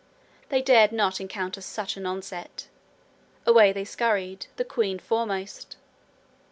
They dared not encounter such an onset. Away they scurried, the queen foremost.